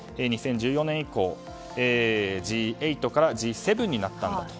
２０１４年以降Ｇ８からＧ７になったんだと。